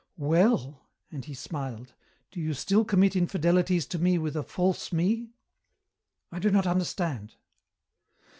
"Well," and he smiled, "do you still commit infidelities to me with a false me?" "I do not understand."